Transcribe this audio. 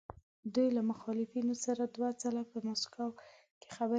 دوی له مخالفینو سره دوه ځله په مسکو کې خبرې وکړې.